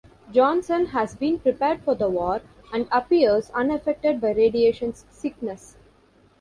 Johnson has been prepared for the war, and appears unaffected by radiation sickness.